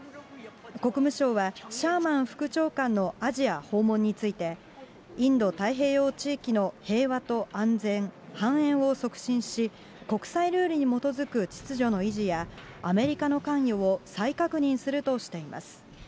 国務省は、シャーマン副長官のアジア訪問について、インド太平洋地域の平和と安全、繁栄を促進し、国際ルールに基づく秩序の維持や、アメリカの関与を再確認するとしています。